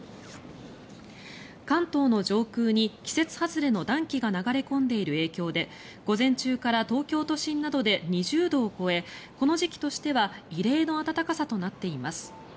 関東の上空に季節外れの暖気が流れ込んでいる影響で午前中から東京都心などで２０度を超えこの時期としては異例の暖かさとなっています。